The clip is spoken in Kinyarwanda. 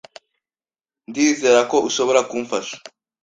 Ndizera ko ushobora kumfasha.